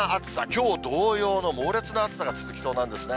きょう同様の猛烈な暑さが続きそうなんですね。